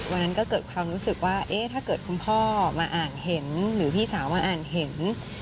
มันก็เกิดความรู้สึกว่าเอ๊ะถ้าเกิดคุณพ่อมาอ่านเห็นหรือพี่สาวมาอ่านเห็น